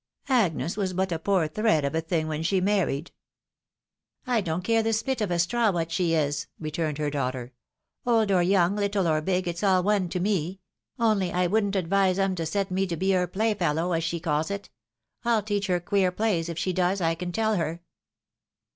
Agnes was but a poor thread of a tlung when she married." " I don't care the split of a straw what she is," returned her daughter. " Old or young, little or big, it's all one to me — only I wouldn't advise 'em to set me to be her playfellow, as she calls it — ru teach her queer plays, if she does, I can tell her."